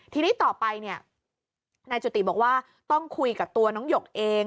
ทีนี้ต่อไปเนี่ยนายจุติบอกว่าต้องคุยกับตัวน้องหยกเอง